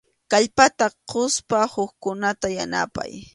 Kallpata quspa hukkunata yanapay.